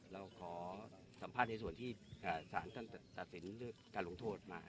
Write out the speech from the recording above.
เราขอสัมภาษณ์ในส่วนที่ศาลตัดสินการลงโทษมา